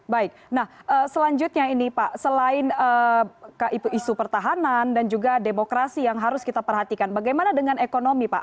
baik nah selanjutnya ini pak selain isu pertahanan dan juga demokrasi yang harus kita perhatikan bagaimana dengan ekonomi pak